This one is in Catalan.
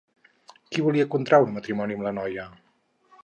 Qui volia contraure matrimoni amb la noia?